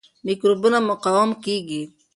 میکروبونه مقاوم کیږي.